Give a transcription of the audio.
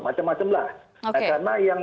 macam macam lah karena yang